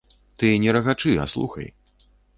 Ты не рагачы, а слухай.